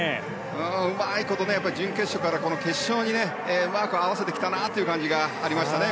うまいこと準決勝から決勝にうまく合わせてきたなという感じがありましたね。